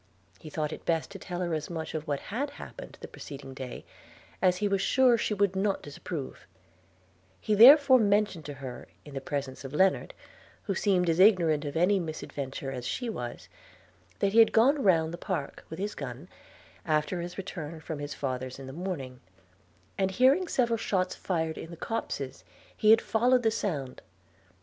He thought it best to tell her as much of what had happened the preceding day, as he was sure she would not disapprove: he therefore mentioned to her, in the presence of Lennard, who seemed as ignorant of any misadventure as she was, that he had gone round the park with his gun, after his return from his father's in the morning, and, hearing several shot fired in the copses, he had followed the sound.